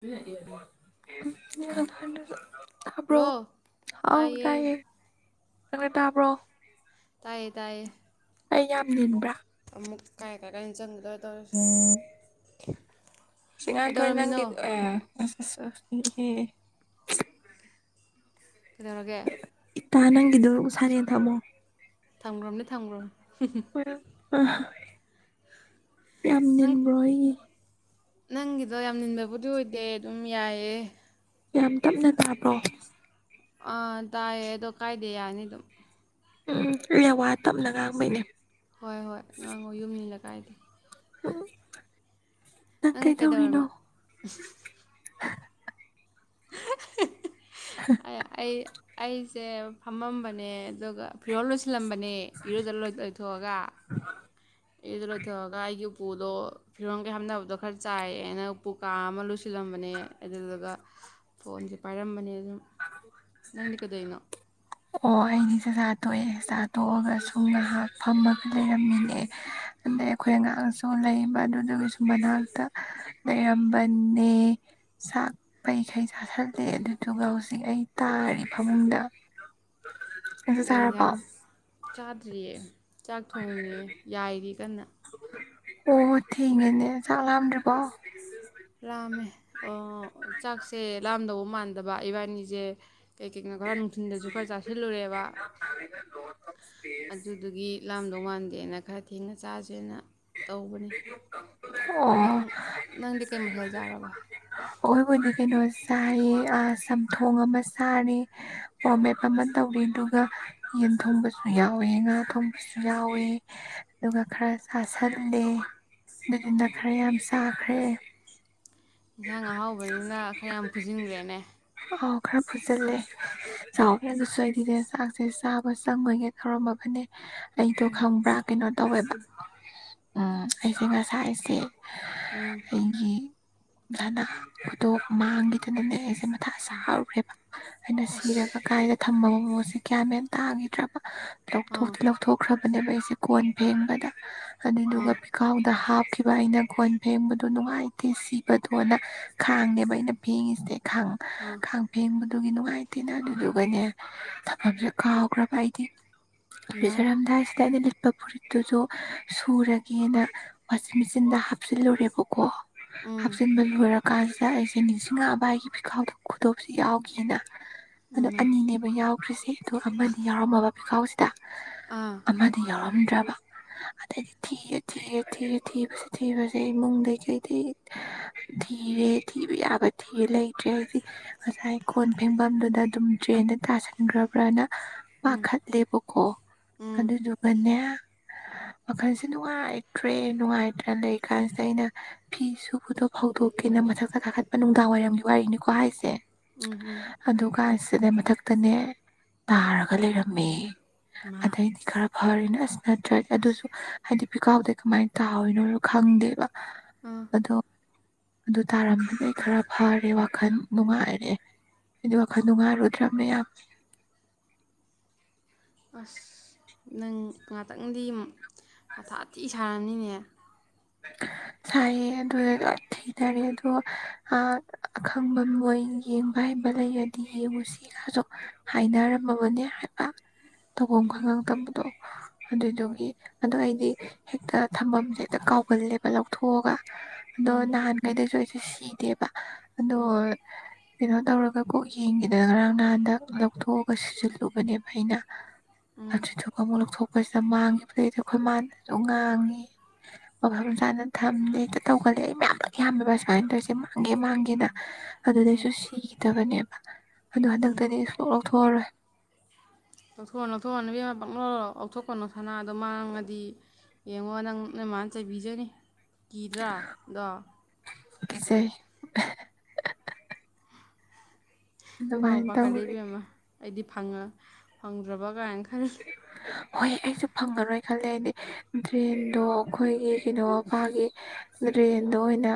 ꯌꯥ ꯈꯕ꯭ꯔꯣ ꯍꯜꯂꯣ ꯍꯥꯎ ꯇꯥꯏꯌꯦ ꯇꯌꯦ ꯑ ꯇꯕ꯭ꯔꯣ ꯇꯥꯏ ꯇꯥꯏ ꯑꯩ ꯌꯥꯝ ꯟꯕ꯭ꯔꯥ ꯑꯃꯨꯛ ꯀꯥꯏ ꯀꯥꯏ ꯀꯥꯏꯗ ꯆꯪꯒꯗꯧꯔ ꯇꯧꯔꯤꯁꯦ ꯁꯤꯁꯤꯡꯃꯥꯊꯣꯏ ꯀꯩꯗꯧꯔꯝꯃꯤꯅꯣ ꯅꯪꯒꯤ ꯑ ꯑꯦ ꯀꯩꯗꯧꯔꯒꯦ ꯇ ꯅꯪꯗꯨ ꯁꯔ ꯌꯦꯟ ꯊꯃꯣ ꯊꯥꯡꯒ꯭ꯔꯣꯝꯅꯦ ꯊꯥꯡꯒ꯭ꯔꯣꯝꯅꯦ ꯍꯣꯏ ꯑ ꯌꯥꯝ ꯅꯪ ꯟꯕ꯭ꯔꯣ ꯑꯩꯒꯤ ꯅꯪꯒꯤꯗꯣ ꯌꯥꯝ ꯟꯕꯕꯨꯗꯤ ꯑꯣꯏꯗꯦ ꯑꯗꯨꯝ ꯌꯥꯏꯑꯦ ꯌꯥꯝ ꯇꯞꯅ ꯇꯥꯕ꯭ꯔꯣ ꯑꯥ ꯇꯥꯏꯌꯦ ꯑꯗꯣ ꯀꯥꯏꯗꯦ ꯌꯥꯅꯤ ꯑꯗꯨꯝ ꯎꯝ ꯑꯩꯅ ꯋꯥ ꯇꯞꯅ ꯉꯥꯡꯕꯩꯅꯦ ꯍꯣꯏ ꯍꯣꯏ ꯉꯥꯡꯉꯣ ꯌꯨꯝ ꯅꯤꯜꯂꯛ ꯀꯥꯏꯗ ꯎꯝ ꯅꯪ ꯀꯩꯗꯧꯔꯤꯅꯣ [inaudible] ꯑꯩ ꯑꯩꯁꯦ ꯐꯝꯃꯝꯕꯅꯦ ꯑꯗꯨꯒ ꯐꯨꯔꯤꯔꯣꯜ ꯂꯣꯏꯁꯤꯜꯂꯝꯕꯅꯦ ꯏꯔꯨꯖ ꯂꯣꯏꯊꯣꯛꯑꯒ ꯏꯔꯨꯖ ꯂꯣꯏꯊꯣꯛꯑꯒ ꯑꯩꯒꯤ ꯎꯄꯨꯗꯣ ꯐꯤꯔꯣꯟꯒꯩ ꯍꯥꯝꯅꯕꯗꯣ ꯈꯔ ꯆꯥꯏꯌꯦ ꯑꯅ ꯎ ꯄꯨꯨꯀꯥ ꯑꯃ ꯂꯨ ꯁꯤꯤꯜꯂꯝꯕꯅꯦ ꯑꯗꯨꯗꯨꯒ ꯐꯣꯟꯁꯦ ꯄꯥꯏꯔꯝꯕꯅꯦ ꯑꯗꯨꯝ ꯅꯪꯗꯤ ꯀꯩꯗꯧꯔꯤꯅꯣ ꯑꯣ ꯑꯩꯅꯤꯁꯦ ꯆ ꯍꯥ ꯇꯣꯛꯑꯦ ꯆꯥ ꯇꯣꯛꯑꯒ ꯁꯨꯝ ꯉꯥꯏꯍꯥꯛ ꯐꯝꯃꯒ ꯂꯩꯔꯝꯃꯤꯅꯦ ꯑꯗꯩ ꯑꯩꯈꯣꯏ ꯉꯍꯥꯛꯁꯨ ꯂꯩꯕ ꯑꯗꯨꯗꯨꯒꯁꯨ ꯃꯅꯥꯛꯇ ꯂꯩꯔꯝꯕꯅꯦ ꯆꯥꯛ ꯄꯩꯈꯩ ꯆꯥꯁꯜꯂꯦ ꯑꯗꯨꯗꯨꯒ ꯍꯧꯖꯤꯛ ꯑꯩ ꯇꯥꯔꯦ ꯐꯃꯨꯡꯗ ꯑꯗꯨ ꯀꯩ ꯆꯔ ꯌꯦꯟꯁꯥꯡ ꯄꯝ ꯆꯥꯗ꯭ꯔꯤꯌꯦ ꯆꯥꯛ ꯊꯣꯡꯉꯦ ꯌꯥꯏꯔꯤ ꯀꯟꯅ ꯑꯣ ꯊꯦꯡꯒꯅꯦ ꯆꯝꯗ ꯄꯥꯎ ꯂꯥꯝꯃꯦ ꯑꯣ ꯆꯥꯛꯁꯦ ꯂꯥꯝꯗꯧꯕ ꯃꯥꯟꯗꯕ ꯏꯕꯥꯅꯤꯁꯦ ꯀꯩ ꯀꯩꯅꯣ ꯈꯔ ꯅꯨꯡꯊꯤꯜꯗꯁꯨ ꯈꯔ ꯆꯥꯁꯤꯜꯂꯨꯔꯦꯕ ꯑꯗꯨꯗꯨꯒꯤ ꯂꯥꯝꯗꯧ ꯃꯥꯟꯗꯦꯅ ꯈ ꯑꯊꯦꯡꯅ ꯆꯁꯤꯦꯅ ꯇꯧꯕꯅꯤ ꯅꯪ ꯅꯪꯗꯤ ꯀꯩ ꯃꯊꯦꯜ ꯆꯥꯔꯕ ꯑꯣꯕꯨꯅꯤ ꯀꯦꯅꯁ ꯆꯥꯏꯑ ꯆꯝꯊꯣꯡ ꯑꯃ ꯆꯥꯔꯦ ꯄꯣꯃꯦꯞ ꯑꯃ ꯇꯧꯔꯤ ꯑꯗꯨꯒ ꯌꯦꯟ ꯊꯣꯡꯕꯁꯨ ꯌꯥꯎꯋꯦ ꯉꯥ ꯊꯣꯡꯕꯁꯨ ꯌꯥꯎꯋꯦ ꯑꯗꯨꯒ ꯈꯔ ꯆ ꯁ ꯈꯜꯂꯦ ꯑꯗꯨꯗꯨꯅ ꯈꯔ ꯌꯥꯝ ꯆꯥꯈ꯭ꯔꯦ ꯏꯟꯁꯥꯡ ꯑꯍꯥꯎꯕꯅꯤꯅ ꯈꯔ ꯌꯥꯝ ꯐꯨꯖꯤꯟꯈ꯭ꯔꯦꯅꯦ ꯑꯥꯎ ꯈꯔ ꯐꯨꯖꯜꯂꯦ ꯆꯥꯎꯋꯦ ꯑꯗꯨꯁꯨ ꯑꯩꯗꯤꯅꯦ ꯆꯥꯛꯁꯦ ꯆꯥꯕ ꯆꯪꯕꯒꯦ ꯇꯧꯔꯝꯃꯕꯅꯦ ꯑꯩꯗꯣ ꯈꯪꯕ꯭ꯔꯥ ꯀꯩꯅꯣ ꯇꯧꯋꯦꯕ ꯎꯝ ꯑꯩꯁꯦ ꯃꯁꯥꯁꯦ ꯎꯝ ꯑꯩꯒꯤ ꯭ꯂꯅꯥ ꯀꯗ ꯃꯥꯪꯒꯤꯇ ꯅꯁꯦ ꯁꯔꯨꯔꯦꯕ ꯍꯥꯏꯅ ꯁꯤꯔꯒ ꯑꯁ ꯀꯥꯏꯗ ꯊꯝꯃꯒ ꯃꯣꯁꯦ ꯀꯌꯥꯝ ꯃꯦꯟ ꯇꯥꯈꯤꯗ꯭ꯔꯕ ꯑꯥ ꯂꯧꯊꯣꯛꯇꯤ ꯂꯧꯊꯣꯛꯈ꯭ꯔꯥ ꯅꯦꯕ ꯑꯩꯁꯦ ꯀꯣꯟ ꯐꯦꯡꯕꯗ ꯑꯅꯤꯗꯨꯒ ꯑꯥ ꯄꯤꯈꯥꯎꯗ ꯍꯥꯞ ꯇꯈꯤꯕ ꯑꯩꯅ ꯒꯣꯟ ꯐꯦꯡꯕꯗꯨ ꯅꯨꯡꯉꯥꯏꯇꯦ ꯁꯤ ꯇꯣꯟꯅ ꯈꯥꯡꯅꯦꯕ ꯑꯩꯅ ꯐꯦꯡꯉꯤꯁꯦ ꯈꯥꯡ ꯑꯥ ꯈꯥꯡ ꯐꯦꯡꯕ ꯑꯗꯨꯒꯤ ꯅꯨꯡꯉꯥꯏꯇꯦꯅ ꯑꯗꯨꯗꯨꯒꯅꯦ ꯊꯝꯐꯝꯁꯦ ꯀꯥꯎꯈ꯭ꯔꯕ ꯑꯩꯗꯤ ꯏꯃꯥ ꯔꯤꯖꯣꯔꯥꯝꯗ ꯁꯤꯗꯗ ꯑꯠꯄ ꯐꯨꯔꯤꯠꯇꯨꯁꯨ ꯁꯨꯔꯒꯦꯅ ꯋꯥꯁꯤꯡ ꯃꯦꯆꯤꯟꯗ ꯍꯥꯞꯆꯤꯜꯂꯨꯔꯦꯕꯀꯣ ꯎꯝ ꯀꯥꯟꯁꯤꯗ ꯑꯩꯁꯦ ꯅꯤꯡꯁꯤꯡꯉꯛꯑꯕ ꯑꯩꯒꯤ ꯐꯤꯈꯥꯎꯗ ꯈꯨꯗꯣꯞꯁꯦ ꯌꯥꯎꯒꯦꯅ ꯑꯣ ꯏꯃꯥ ꯑꯅꯤꯅꯦꯕ ꯌꯥꯎ ꯈ꯭ꯔꯤꯁꯤ ꯑꯗꯨ ꯑꯃꯗꯤ ꯌꯥꯎꯔꯝꯃꯕ ꯄꯤꯈꯥꯎꯁꯤꯡ ꯑꯥ ꯑꯃꯗꯤ ꯌꯥꯎꯔꯛ ꯉꯝꯗ꯭ꯔꯕ ꯑꯗꯩꯗꯤ ꯊꯤꯌꯦ ꯊꯤꯌꯦ ꯊꯤꯔꯦ ꯊꯤꯕꯁꯦ ꯊꯤꯕꯁꯦ ꯏꯃꯨꯡꯗ ꯀꯩꯗꯤ ꯊꯤꯔꯦ ꯊꯤꯕ ꯌꯥꯕ ꯊꯤꯔꯦ ꯂꯩꯇ꯭ꯔꯦ ꯍꯥꯏꯗꯤ ꯉꯁꯥꯏ ꯀꯣꯟ ꯐꯦꯡꯐꯝꯗꯨꯗ ꯑꯗꯨꯝ ꯇ꯭ꯔꯦꯟꯗ ꯇꯥꯁꯟꯈ꯭ꯔꯕ꯭ꯔꯅ ꯎꯝ ꯄꯥꯈꯠꯂꯦꯕꯀꯣ ꯎꯝ ꯑꯗꯨꯗꯨꯒꯅꯦ ꯋꯥꯈꯜꯁꯦ ꯅꯨꯡꯉꯥꯏꯇ꯭ꯔꯦ ꯅꯨꯡꯉꯥꯏꯇ꯭ꯔ ꯂꯩꯔꯤꯀꯥꯟꯁꯤꯗ ꯑꯩꯅ ꯐꯤ ꯑꯗꯨꯕꯨꯗꯣ ꯐꯧꯗꯣꯛꯀꯦꯅ ꯃꯊꯛꯇ ꯀꯥꯈꯠꯄ ꯅꯨꯡꯗꯥꯡ ꯋꯥꯏꯔꯝꯒꯤ ꯋꯥꯔꯤꯅꯤꯀꯣ ꯍꯥꯏꯁꯦ ꯎꯝ ꯎꯝ ꯑꯗꯨ ꯀꯥꯏꯁꯤ ꯁꯤꯗꯩ ꯃꯊꯛꯇꯅꯦ ꯇꯥꯔꯒ ꯎꯝ ꯂꯩꯔꯝꯃꯦ ꯏꯃꯥ ꯑꯗꯩꯗꯤ ꯈꯔ ꯐꯔꯤꯅ ꯑꯁꯤ ꯅꯠꯇ꯭ꯔꯒ ꯑꯁ ꯑꯗꯨꯁꯨ ꯍꯥꯏꯗꯤ ꯄꯤꯀꯥꯎꯗꯦ ꯀꯃꯥꯏꯅ ꯇꯥꯣꯏꯅꯣ ꯈꯪꯗꯦꯕ ꯑ ꯑꯗꯣ ꯑꯗꯨ ꯇꯥꯔꯝꯗꯨꯗꯤ ꯑꯩ ꯈꯔ ꯐꯔꯦ ꯋꯥꯈꯜ ꯅꯨꯡꯉꯥꯏꯔꯦ ꯍꯥꯏꯗꯤ ꯋꯥꯈꯜ ꯅꯨꯡꯉꯥꯏꯔꯨꯗ꯭ꯔꯕꯃꯦ ꯌꯥꯝ ꯑꯁ ꯅꯪ ꯉꯥꯛꯇꯪꯗꯤ ꯃꯊꯥꯊꯤ ꯁꯥꯔꯝꯅꯤꯅꯦ ꯁꯥꯏꯌꯦ ꯑꯗꯨ ꯂꯣꯏ ꯊꯤꯊꯔꯦ ꯑꯗꯣ ꯑꯈꯪꯕ ꯃꯣꯏ ꯌꯦꯡꯕ ꯍꯥꯏꯩꯕ ꯂꯩꯔꯗꯤ ꯌꯦꯡꯉꯨꯁꯤꯒꯁꯨ ꯍꯥꯏꯅꯔꯝꯃꯕꯅꯦ ꯍꯥꯏꯕ ꯇꯧꯐꯝ ꯈꯪꯉꯛꯇꯕꯗꯣ ꯍꯣꯏ ꯑꯗꯨꯏꯗꯨꯒꯤ ꯑꯗꯨ ꯑꯩꯗꯤ ꯍꯦꯛꯇ ꯊꯝꯐꯝꯝꯁꯦ ꯍꯦꯛꯇ ꯀꯥꯎ ꯨꯜ ꯂꯦꯕ ꯂꯧꯊꯣꯛꯑꯒ ꯑꯗꯣ ꯎꯝ ꯂꯍꯥꯟ ꯀꯩꯗꯦꯁꯨꯣꯏꯁ ꯁꯗꯦꯕ ꯑꯗꯨꯗꯣ ꯎꯝ ꯀꯩꯅꯣ ꯇꯧꯔꯒ ꯀꯣꯛ ꯌꯦꯡꯈꯤꯗꯅ ꯉꯔꯥꯡ ꯅꯍꯥꯟꯗ ꯂꯧꯊꯣꯛꯑꯒ ꯁꯤꯖꯤꯜꯂꯨꯕꯅꯦꯕ ꯑꯩꯅ ꯑ ꯎꯝ ꯆꯖꯄ ꯃꯂꯛ ꯊ ꯑꯩꯈꯣꯏ ꯁꯤꯗ ꯃꯥꯡꯈꯤꯕꯗꯩꯗꯤ ꯑꯩꯈꯣꯏ ꯃꯅꯁꯨ ꯉꯥꯡꯉꯤ ꯃꯐꯝ ꯆꯥꯅ ꯊꯝꯃꯦ ꯇꯧꯒꯜꯂꯦ ꯑꯩ ꯃꯌꯥꯝꯅ ꯌꯥꯝꯃꯦꯕ ꯁꯨꯃꯥꯏꯅ ꯇꯧꯔꯤꯁꯦ ꯃꯥꯡꯒꯦ ꯃꯥꯡꯒꯦꯅ ꯎꯝ ꯑꯗꯨꯗꯗꯁꯨ ꯁꯤꯤꯒ ꯇꯕꯅꯦ ꯑꯗꯨ ꯍꯟꯗꯛꯇꯗꯤ ꯁꯀꯨꯜ ꯂꯧꯊꯣꯛꯑꯔꯣꯏ ꯂꯧꯊꯣꯛꯑꯣ ꯂꯧꯊꯣꯛꯑ ꯅꯕꯤ ꯄꯛ ꯂꯧꯣ ꯂꯧꯊꯣꯛꯀꯅꯣ ꯁꯅꯥꯗꯣ ꯃꯥꯡꯉꯗꯤ ꯌꯦꯡꯉꯣ ꯅꯪ ꯅꯃꯅ ꯆꯩꯕꯤꯖꯅꯤ ꯀꯤꯗ꯭ꯔꯥ ꯑꯗꯣ ꯀꯁꯦ ꯄꯥꯎ ꯄ ꯇꯧꯔꯤ ꯈꯗꯕꯤ ꯑꯃꯗꯤ ꯐꯉ ꯐꯪꯗ꯭ꯔꯕ ꯀꯥꯏ ꯍꯣꯏ ꯑꯩꯁꯨ ꯐꯪꯉꯔꯣꯏ ꯈꯜꯂꯦ ꯍꯥꯏꯗꯤ ꯗ꯭ꯔꯦꯟꯗꯣ ꯑꯩꯈꯣꯏꯒꯤ ꯀꯩꯅꯣꯄꯥꯒꯤ ꯗ꯭ꯔꯦꯟꯗꯣ ꯑꯣꯏꯅ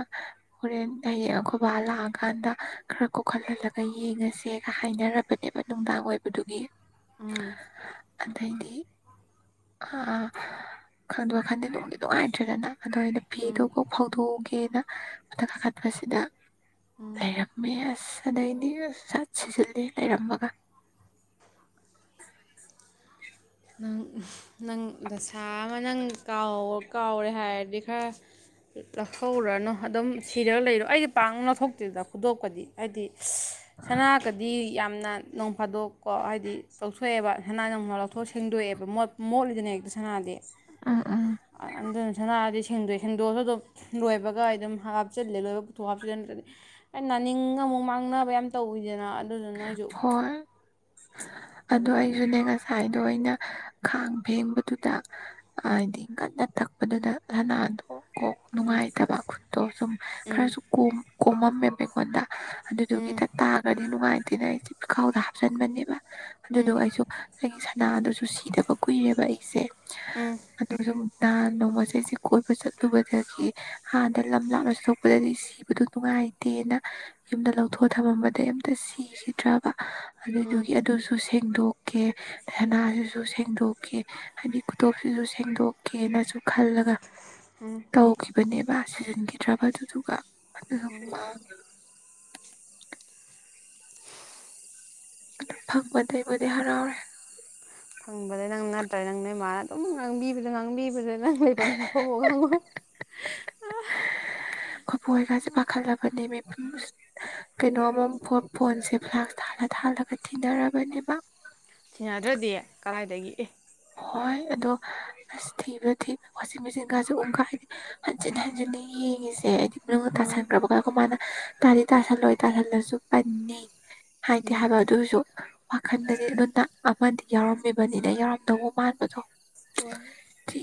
ꯍꯣꯔꯦꯟ ꯍꯌꯦꯡ ꯑꯈꯕꯥ ꯂꯥꯛꯑꯀꯥꯟꯗ ꯈꯔ ꯀꯣꯛꯍꯜꯍꯜꯂꯒ ꯌꯦꯡꯉꯁꯦꯒ ꯍꯥꯏꯅꯔꯕꯅꯦꯕ ꯅꯨꯡꯗꯥꯡ ꯑꯣꯏꯕꯗꯨꯒꯤ ꯎꯝ ꯑꯗꯤ ꯑꯥ ꯈꯪꯗꯣꯏ ꯈꯟꯗꯦ ꯅꯨꯡꯗꯤ ꯅꯨꯡꯉꯥꯏꯇ꯭ꯔꯦꯗꯅ ꯑꯗꯣ ꯑꯩꯅ ꯎꯝ ꯐꯤꯗꯨ ꯀ ꯐꯥꯎꯗꯣꯛꯎꯒꯦ ꯃꯊꯛ ꯀꯥꯈꯠꯄꯁꯤꯗ ꯇꯥꯏꯔꯛꯃꯦꯁ ꯑꯗꯩꯗꯤ ꯁꯠ ꯁꯤꯖꯤꯂꯦ ꯂꯩꯔꯝꯃꯒ ꯅꯪ ꯅꯪ ꯗꯁꯥ ꯑꯃ ꯅꯪ ꯀꯥꯎꯔꯦ ꯍꯥꯏꯔꯗꯤ ꯈꯔ ꯂꯧꯍꯧꯔꯅꯨ ꯑꯗꯨꯝ ꯁꯤꯔꯒ ꯂꯩꯔꯣ ꯑꯩꯗꯤ ꯄꯥꯛ ꯂꯧꯊꯣꯛꯇꯦꯗ ꯈꯨꯗꯣꯛꯞꯄꯗꯤ ꯍꯥꯏꯗꯤ ꯁꯅꯥꯒꯗꯤ ꯌꯥꯝꯅ ꯅꯣꯡ ꯐꯥꯗꯣꯛꯀꯣ ꯍꯥꯏꯗꯤ ꯇꯣꯛꯊꯣꯛꯑꯦꯕ [unintelligible] ꯍꯣ ꯁꯦꯡꯗꯣꯛꯑꯦꯕ ꯃꯣꯠ ꯃꯣꯠꯂꯤꯗꯅ ꯍꯦꯛꯇ ꯁꯅꯥꯗꯤ ꯎꯝ ꯎꯝ ꯁꯅꯥꯗꯤ ꯁꯦꯡꯗꯣꯛꯑꯦ ꯁꯦꯡꯗꯣꯛꯑꯁꯨ ꯑꯗꯨꯝ ꯂꯣꯏꯕꯒ ꯑꯩ ꯑꯗꯨꯝ ꯍꯥꯞꯆꯤꯜꯂꯦ ꯂꯣꯏꯕ ꯄꯨꯊꯣꯛ ꯍꯥꯞꯆꯤꯟꯜꯂꯝꯗ꯭ꯔꯗꯤ ꯑꯩ ꯅꯥꯅꯤꯡ ꯑꯃꯨꯛ ꯃꯥꯡꯅꯕ ꯌꯥꯝ ꯇꯧꯋꯤꯗꯅ ꯑꯗꯨꯗꯨꯅ ꯑꯩꯁꯨ ꯍꯣꯏ ꯑꯗꯨ ꯇꯟꯗꯅ ꯑꯩꯁꯨꯅꯦ ꯉꯁꯥꯏ ꯑꯗꯣ ꯑꯩꯅ ꯈꯥꯡ ꯐꯦꯡꯕꯗꯨꯗ ꯍꯥꯏꯗꯤ ꯀꯟꯅ ꯇꯛꯄꯗꯨꯗ ꯁꯅꯥꯗꯣ ꯀꯣꯛ ꯅꯨꯡꯉꯥꯏꯇꯕ ꯈꯨꯠꯇꯣ ꯁꯨꯝ ꯈꯔꯁꯨ ꯀꯣꯝ ꯀꯣꯝꯃꯝꯃꯦꯕ ꯑꯩꯉꯣꯟꯗ ꯎꯝ ꯑꯗꯨꯗꯨꯒꯤꯗ ꯇꯥꯒ꯭ꯔꯗꯤ ꯅꯨꯡꯉꯥꯏ ꯑꯗꯨꯅ ꯑꯩꯁꯦ ꯐꯨꯏꯈꯥꯎꯗ ꯍꯥꯞꯆꯟꯕꯅꯦꯕ ꯎꯝ ꯑꯗꯨꯗꯣ ꯑꯩꯁꯨ ꯆꯍꯤ [unintelligible] ꯅꯥꯗꯨꯁꯨ ꯁꯤꯗꯕ ꯀꯨꯏꯔꯦꯕ ꯑꯩꯁꯦ ꯎꯝ ꯑꯗꯨ ꯁꯨꯝ ꯅꯍꯥꯟ ꯅꯣꯡꯃꯁꯨ ꯁꯤ ꯀꯣꯏꯕ ꯆꯠꯂꯨꯕꯗꯒꯤ ꯑꯥꯗ ꯂꯝ ꯂꯥꯞꯅ ꯆꯠꯊꯣꯛꯄꯒꯤ ꯁꯤꯕꯗꯣ ꯅꯨꯡꯉꯥꯏꯇꯦꯅ ꯌꯨꯝꯗ ꯂꯧꯊꯣꯛ ꯊꯝꯃꯝꯕꯗꯒꯤ ꯑꯝꯇ ꯁꯤ ꯁꯤꯈꯤꯗ꯭ꯔꯕ ꯎꯝ ꯑꯗꯨꯗꯨꯒꯤ ꯑꯗꯨꯁꯨ ꯁꯤ ꯁꯦꯡꯗꯣꯛꯀꯦ ꯁꯅꯥꯁꯤꯁꯨ ꯁꯦꯡꯗꯣꯛꯀꯦ ꯍꯥꯏꯗꯤ ꯈꯨꯗꯣꯞꯁꯤꯁꯨ ꯁꯦꯡꯗꯣꯛꯀꯦꯅꯁꯨ ꯈꯜꯂꯒ ꯇꯧꯈꯤꯕꯅꯦ ꯁꯅꯥ ꯁꯤꯖꯤꯟꯈꯤꯗ꯭ꯔꯕ ꯑꯗꯨꯗꯨꯒ [unintelligible] ꯑꯗꯨ ꯐꯪꯕꯗꯕꯨꯗꯤ ꯍꯔꯥꯎꯔꯦ ꯐꯪꯕꯗ ꯅꯪ ꯅꯠꯇ꯭ꯔ ꯅꯪ ꯅꯣꯏ ꯃꯥꯅ ꯑꯗꯨꯝ ꯉꯥꯡꯕꯤꯕꯗ ꯉꯥꯡꯕꯤꯕꯗ ꯅꯪ ꯂꯩꯕꯝꯁꯨ ꯈꯩꯉꯔꯣꯏ [unintelligible] ꯈꯨꯠꯄꯥꯏꯁꯤꯁꯨ ꯄꯥꯈꯠꯂꯕꯅꯦ ꯕꯦ [unintelligible] ꯀꯩꯅꯣꯃ ꯑꯃꯨꯛ ꯐꯣ ꯐꯣꯟꯁꯦ ꯐ꯭ꯂꯥꯛꯁ ꯊꯥꯜꯂ ꯊꯥꯜꯂꯒ ꯊꯤꯟꯅꯔꯕꯅꯦꯕ ꯊꯤꯟꯅꯗ꯭ꯔꯗꯤ ꯀꯔꯥꯏꯗꯒꯤ ꯑꯦ ꯍꯣꯏ ꯑꯗꯣ ꯑꯁ ꯊꯤꯕꯗꯥ ꯊꯤꯕꯗ ꯋꯥꯆꯤꯡ ꯃꯦꯆꯤꯟꯒꯥꯁꯦ ꯑꯣꯟꯒꯥꯏꯕꯤ ꯍꯟꯖꯤꯟ ꯍꯖꯤꯟꯅ ꯌꯦꯡꯉꯤꯖꯦ [unintelligible] ꯅꯪꯅ ꯎꯝ ꯇꯥꯁꯟꯒ꯭ꯔꯕꯀ ꯀ ꯃꯥꯅ ꯇꯥꯗꯤ ꯇꯥꯁꯜꯂꯣꯏ ꯇꯥꯁꯜꯂꯁꯨ ꯄꯟꯅꯤ ꯍꯥꯏꯗꯤ ꯎꯝ ꯍꯥꯏꯕ ꯑꯗꯨꯏꯁꯨ ꯋꯥꯈꯟꯗꯗꯤ [unintelligible] ꯑꯃꯗꯤ ꯌꯥꯎꯔꯝꯃꯤꯕꯅꯤꯅ ꯌꯥꯎꯔꯝꯗꯒꯨꯝ ꯃꯥꯟꯕꯊꯣ ꯋꯥꯎ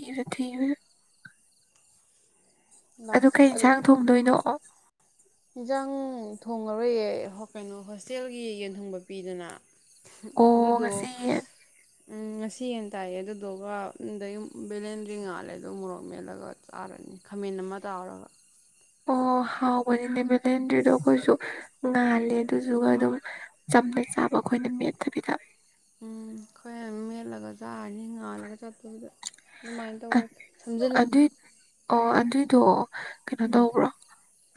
ꯁꯨ ꯊꯦꯝꯃꯨ ꯑꯗꯨ ꯀꯩ ꯌꯦꯟꯁꯥꯡ ꯊꯣꯡꯗꯣꯏꯅꯣ ꯌꯦꯟꯖꯥꯡ ꯊꯣꯡꯉꯔꯣꯏꯌꯦ ꯀꯩꯅꯣ ꯍꯣꯁꯇꯦꯜꯒꯤ ꯌꯦꯟ ꯊꯪꯕ ꯄꯤꯗꯅ ꯑꯣ ꯑꯗꯨꯗꯣ ꯉꯁꯤ ꯌꯦꯟ ꯎꯝ ꯉꯁꯤ ꯍꯦ ꯇꯥꯛꯌꯦ ꯑꯗꯨꯗꯨꯒ ꯑꯗꯩ ꯕꯦꯂꯦꯟꯗ꯭ꯔꯤ ꯉꯥꯜꯂꯦ ꯑꯗꯨꯣ ꯃꯣꯔꯣꯛ ꯃꯦꯠꯂꯒ ꯆꯥꯔꯅꯤ ꯈꯥꯃꯦꯟ ꯑꯃ ꯇꯥꯎꯔꯒ ꯑꯣ ꯍꯥꯎ ꯀꯗ꯭ꯗ ꯀꯁꯨ ꯉꯥꯜꯂꯦ ꯑꯗꯨꯗꯨꯒ ꯑꯗꯨꯝ ꯆꯝꯅ ꯆꯥꯕ ꯑꯩꯈꯣꯏꯅ ꯃꯦꯠꯇꯕꯤꯗ ꯎꯝ ꯑꯩꯈꯣꯏ ꯃꯦꯜꯂꯒꯖꯅꯤ ꯑ ꯉꯥꯜꯂꯒ ꯆꯠꯄꯗ ꯑꯗꯨꯃꯥꯏꯅ ꯇꯧꯔꯒ ꯊꯝꯖꯤꯜꯂꯒꯦ ꯑꯗꯨꯗꯣ ꯀꯩꯅꯣ ꯇꯧꯕ꯭ꯔꯣ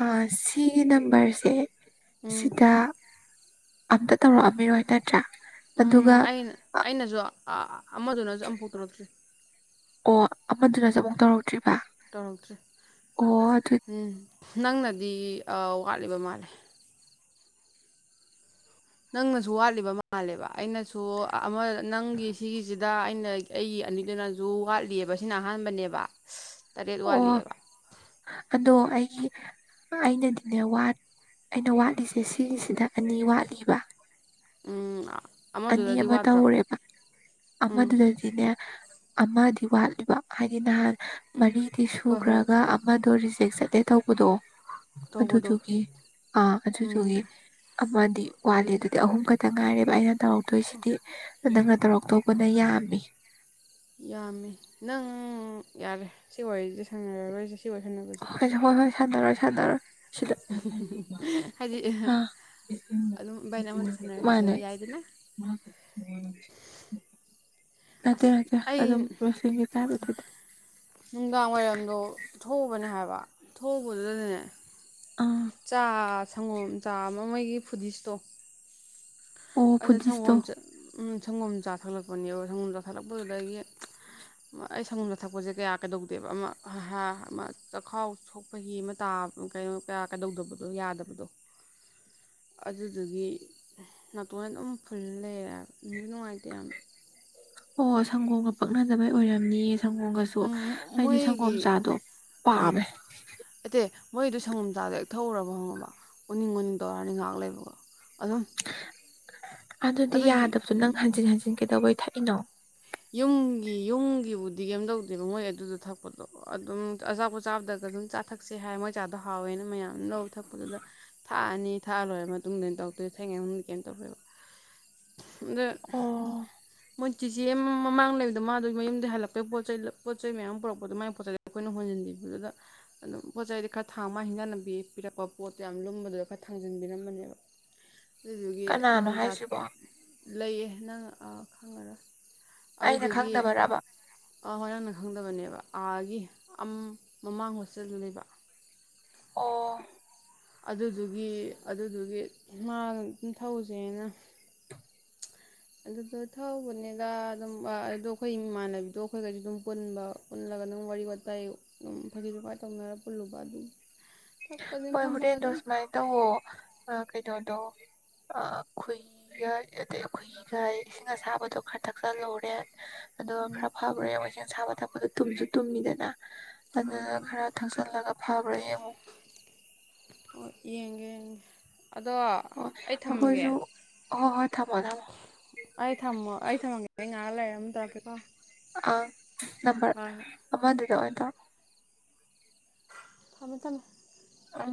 ꯑ ꯁꯤꯒꯤ ꯅꯝꯕꯔꯁꯦ ꯎꯝ ꯁꯤꯇꯥ ꯑꯝꯇ ꯇꯧꯔꯛꯑꯝꯃꯤꯔꯣꯏ ꯅꯠꯇ꯭ꯔꯥ ꯑꯗꯨꯒ ꯎꯝ ꯑꯩꯅ ꯑꯩꯅꯁꯨ ꯑ ꯑꯃꯗꯨꯅꯁꯨ ꯑꯃꯝ ꯄꯨꯊꯣꯔꯛꯇ꯭ꯔꯤ ꯑꯣ ꯑꯃꯗꯨꯅ ꯆ ꯑꯃꯨꯛ ꯇꯧꯔ ꯠꯇ꯭ꯔꯤꯕ ꯇꯧꯔꯛꯇ꯭ꯔꯤ ꯑꯣ ꯑꯗꯨ ꯎꯝ ꯅꯪꯅꯗꯤ ꯋꯥꯠꯂꯤꯕ ꯃꯥꯜꯂꯦ ꯅꯪꯅꯁꯨ ꯋꯥꯠꯂꯤꯕ ꯃꯥꯜꯂꯦꯕ ꯑꯩꯅꯁꯨ ꯑꯃ ꯅꯪꯒꯤ ꯁꯤꯒꯤꯁꯤꯗ ꯑꯩꯅ ꯑꯩꯒꯤ ꯑꯅꯤꯗꯨꯅꯁꯨ ꯋꯥꯠꯂꯤꯑꯕ ꯁꯤꯅ ꯑꯍꯥꯟꯕꯅꯦꯕ ꯇꯔꯦꯠ ꯑꯣ ꯋꯥꯠꯂꯤꯑꯕ ꯑꯗꯣ ꯑꯩ ꯑꯩꯅꯗꯤꯅꯦꯠ ꯑꯩꯅ ꯋꯥꯠꯂꯤꯁꯦ ꯁꯤꯒꯤꯁꯤꯗ ꯑꯅꯤ ꯋꯥꯠꯂꯤꯕ ꯎꯝ ꯑꯅꯤ ꯑꯃꯗꯨꯗꯗꯤ ꯑꯃ ꯋꯥꯠꯇ꯭ꯔꯕ ꯇꯧꯔꯦꯕ ꯎꯝ ꯑꯃꯗꯨꯗꯗꯤꯅꯦ ꯑꯃꯗꯤ ꯋꯥꯠꯂꯤꯕ ꯍꯥꯏꯗꯤ ꯅꯍꯥꯟ ꯃꯔꯤꯗꯤ ꯍꯣꯏ ꯍꯣꯏ ꯁꯨꯈ꯭ꯔꯒ ꯑꯃꯗꯣꯔꯤꯁꯤ ꯆꯦꯛ ꯆꯠꯇꯦ ꯇꯧꯕꯗꯣ ꯑꯇꯧꯕꯗꯣ ꯑꯗꯨꯗꯨꯒꯤ ꯑꯥ ꯎꯝ ꯑꯗꯨꯗꯨꯒꯤ ꯑꯃꯗꯤ ꯋꯥꯠꯂ ꯑꯗꯨꯗꯤ ꯑꯍꯨꯝ ꯈ ꯇ ꯉꯥꯏꯔꯤꯕꯕ ꯑꯩꯍ ꯇꯧꯔꯛꯇꯣꯏꯁꯤꯗꯤ ꯍꯣꯏ ꯅꯪꯅ ꯍꯣꯏ ꯇꯧꯔꯛꯇꯣꯛꯧꯕꯅ ꯌꯥꯝ ꯕꯤ ꯌꯥꯝꯃꯤ ꯅꯪ ꯌꯥꯔꯦ ꯁꯤ ꯋꯥꯔꯤꯁꯦ ꯁꯪꯅꯔꯔꯣꯏꯁꯦ ꯁꯤ ꯋꯥꯏꯊꯅꯒꯖꯤ ꯀꯁꯨ ꯆꯗꯔ ꯍꯥꯏꯗꯤ ꯑꯥ ꯑꯗꯨꯝ ꯕꯥꯥꯏꯅ ꯑꯩꯉꯣꯟꯗ ꯃꯥꯅꯦ ꯁꯥꯟꯅꯔꯁꯦꯕ ꯌꯥꯏꯗꯅ ꯅꯠꯇꯦ ꯑꯁ ꯅꯠꯇꯦ ꯑꯩ ꯑꯗꯨꯝ ꯔꯦꯁꯂꯤꯡꯒꯤ ꯇꯥꯏꯞꯇꯨꯗ ꯅꯨꯡꯗꯥꯡ ꯋꯥꯏꯔꯝꯗꯣ ꯊꯣꯛꯎꯕꯅꯦ ꯍꯥꯏꯕ ꯊꯣꯛꯧꯕꯗꯨꯅꯦ ꯑꯥ ꯆꯥ ꯁꯪꯒꯣꯝ ꯆꯥ ꯑꯃ ꯑꯃꯒꯤꯩꯒꯤ ꯐꯨꯗꯤꯁꯇꯣ ꯑꯣ ꯑꯗꯣ ꯐꯨꯗꯤꯁꯇꯣ ꯁꯪꯒꯣꯝꯁ ꯎ ꯁꯪꯒꯣꯝ ꯆꯥ ꯊꯛꯂꯛꯄꯅꯦꯕ ꯁꯪꯒꯣꯝ ꯆꯥ ꯊꯛꯂꯛꯄꯗꯨꯗꯒꯤ ꯑꯩ ꯁꯪꯒꯣꯝ ꯆꯥ ꯊꯛꯄꯁꯦ ꯀꯌꯥ ꯀꯩꯗꯧꯗꯦꯕ ꯑꯃ ꯍꯥ ꯑꯃ ꯆꯈꯥꯎ ꯁꯣꯛꯄꯒꯤꯤ ꯑꯃ ꯇꯥꯕ ꯀꯣ ꯀꯌꯥ ꯀꯩꯗꯧꯗꯕꯗꯣ ꯌꯥꯗꯕꯗꯣ ꯑꯗꯨꯗꯨꯒꯤ ꯅꯥꯇꯣꯟ ꯑꯗꯨꯝ ꯐꯨꯜ ꯂꯩꯔꯦꯁꯨ ꯅꯨꯡꯉꯥꯏꯇꯦ ꯌꯥꯝ ꯑꯣ ꯁꯪꯒꯣꯝꯒ ꯄꯛꯅꯗꯕꯩ ꯑꯣꯏꯔꯝꯅꯤ ꯁꯪꯒꯣꯝꯒꯁꯨ ꯑꯩꯗꯤ ꯃꯣꯏꯒꯤ ꯁꯪꯒꯣꯝꯆꯥꯗꯣ ꯄꯥꯝꯃꯦ ꯃꯣꯏꯗꯨ ꯁꯪꯒꯣꯝ ꯆꯥꯗ ꯑꯦꯛ ꯊꯎꯔꯕ ꯍꯪꯉꯕ ꯎꯅꯤꯡ ꯑꯣꯅꯤꯡ ꯇꯧꯔꯅꯤ ꯉꯥꯏꯍꯥꯛ ꯂꯩꯕꯀꯣ ꯑꯗꯨꯗꯤ ꯑꯗꯨ ꯌꯥꯗꯕꯁꯨ ꯅꯪ ꯍꯟꯖꯤꯟ ꯍꯟꯖꯤꯟ ꯀꯩꯗꯧꯕꯩ ꯊꯛꯏꯩꯅꯣ ꯌꯨꯝꯒꯤ ꯌꯨꯝꯒꯤꯕꯨꯗꯤ ꯀꯩꯝ ꯇꯧꯗꯦꯕ ꯃꯣꯏ ꯑꯗꯨꯗ ꯊꯛꯄꯗꯣ ꯑꯗꯨꯝ ꯑꯆꯥꯥꯛꯄꯣꯠ ꯆꯥꯕꯗꯒ ꯑꯗꯨꯝ ꯆꯥ ꯊꯛꯁꯦ ꯍꯥꯏ ꯃꯣꯏ ꯆꯥꯗꯣ ꯍꯥꯎꯋꯦꯅ ꯃꯌꯥꯝ ꯂꯧ ꯊꯛꯄꯗꯨꯗ ꯊꯥꯛꯑꯅꯤ ꯊꯥꯛꯑ ꯂꯣꯏꯔ ꯃꯇꯨꯡꯗꯩꯅ ꯇꯧꯗꯣꯏ ꯊꯦꯡꯅꯩ ꯃꯅꯨꯡꯗꯗꯤ ꯀꯩꯝ ꯇꯧꯋꯦꯕ ꯑꯗ ꯑꯣ ꯃꯣꯏ ꯆꯤ ꯁ ꯃꯃꯥꯡ ꯂꯩꯕꯗ ꯃꯥꯗꯨꯒꯤ ꯃꯌꯨꯝꯗꯩ ꯍꯜꯂꯛꯄꯩ ꯄꯣꯠ ꯆꯩ ꯄꯣꯠ ꯆꯩ ꯃꯌꯥꯝ ꯑꯃ ꯄꯨꯔꯛꯄꯗꯣ ꯃꯒꯤ ꯄꯣꯠ ꯆꯩꯗ ꯑꯩꯈꯣꯏꯅ ꯍꯣꯟꯖꯤꯟꯕꯤꯕꯗꯨꯗ ꯑꯗꯨꯝ ꯄꯣꯠ ꯆꯩꯗꯤ ꯈꯔ ꯊꯥꯡ ꯃꯥ ꯍꯤꯡꯖꯥꯟꯅꯕꯤ ꯄꯤꯔꯛꯄ ꯄꯣꯠꯇꯣ ꯌꯥꯝ ꯂꯨꯝꯕꯗꯨꯗ ꯈꯔ ꯊꯥꯡꯖꯟꯕꯤꯔꯝꯕꯅꯦꯕ ꯀꯅꯥꯅꯣ ꯍꯥꯏꯁꯤꯕꯣ ꯂꯩꯌꯦ ꯍꯥꯏꯅ ꯈꯪꯉꯔꯁꯤ ꯑꯩꯅ ꯑꯗꯨꯒꯤ ꯈꯪꯗꯕꯔꯕ ꯍꯣꯏ ꯅꯪꯅ ꯈꯪꯗꯕꯅꯦꯕ ꯑꯥꯒꯤ ꯃꯃꯥꯡ ꯍꯣꯁꯇꯦꯜꯗ ꯂꯩꯕ ꯑꯣ ꯑꯗꯨꯗꯨꯒꯤ ꯑꯗꯨꯗꯨꯒꯤ ꯃꯥ ꯅꯤꯡꯊꯧꯁꯦꯅ ꯑꯗꯨꯗꯣ ꯊꯧꯕꯅꯦꯒ ꯑꯗꯨꯝ ꯑꯗꯨꯗꯣ ꯑꯩꯈꯣꯏ ꯏꯃꯥꯟꯅꯕꯤꯗꯣ ꯑꯩꯈꯣꯏꯒꯁꯨ ꯑꯗꯨꯝ ꯄꯨꯟꯕ ꯄꯨꯜꯂꯒ ꯑꯗꯨꯝ ꯋꯥꯔꯤ ꯋꯥꯇꯥꯏ ꯑꯗꯨ ꯐꯖꯅꯃꯥꯏꯅ ꯇꯧꯅꯔ ꯄꯨꯜꯂꯨꯕ ꯑꯗꯨꯝ ꯊꯛꯄꯗꯤ ꯍꯣꯏ ꯐꯝꯃꯒ ꯍꯣꯔꯦꯟꯗꯣ ꯑꯗꯨꯝ ꯁꯨꯃꯥꯏꯅ ꯇꯧꯋꯣ ꯀꯩꯗꯧꯅꯤ ꯑꯗꯣ ꯈꯨꯍꯤꯒ ꯑꯗꯩ ꯈꯨꯍꯤꯒ ꯏꯁꯤꯡ ꯑꯁꯥꯕꯗꯣ ꯈꯔ ꯊꯛꯆꯜꯍꯧꯔꯦ ꯑ ꯎꯝ ꯈꯔ ꯐꯕꯔ꯭ꯔꯦ ꯃꯣꯏꯖꯦꯟ ꯁꯥꯕ ꯇꯄꯗꯣ ꯇꯨꯝꯁꯨ ꯇꯨꯝꯃꯤꯗꯅ ꯑꯗꯨꯅ ꯍꯣꯏ ꯍꯣꯏ ꯈꯔ ꯊꯛꯆꯤꯜꯂꯒ ꯐꯥꯕ꯭ꯔꯥ ꯌꯦꯡꯉꯨ ꯌꯦꯒꯦꯦ ꯑꯗꯣ ꯑꯣ ꯑꯩ ꯊꯝꯃꯒꯦ ꯑꯩꯈꯣꯏꯁꯨ ꯍꯣꯏ ꯍꯣꯏ ꯊꯝꯃꯣ ꯊꯝꯃꯣ ꯑꯩ ꯊꯝꯃꯣ ꯑꯩ ꯊꯝꯃꯒꯦ ꯑꯩ ꯉꯥꯏꯍꯥꯛ ꯂꯩꯔꯝ ꯇꯧꯀꯦꯀꯣ ꯑꯥ ꯅꯝꯕꯔ ꯑꯗꯨꯗ [inaudible] ꯊꯃꯦ ꯊꯃꯦ ꯑ